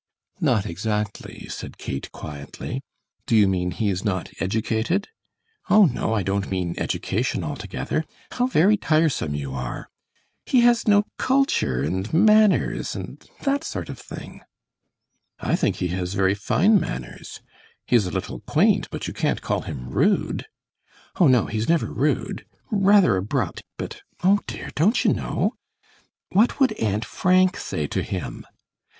"Not exactly," said Kate, quietly. "Do you mean he is not educated?" "Oh, no, I don't mean education altogether. How very tiresome you are! He has no culture, and manners, and that sort of thing." "I think he has very fine manners. He is a little quaint, but you can't call him rude." "Oh, no, he's never rude; rather abrupt, but oh, dear, don't you know? What would Aunt Frank say to him?"